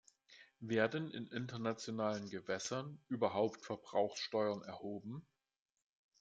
Werden in internationalen Gewässern überhaupt Verbrauchssteuern erhoben?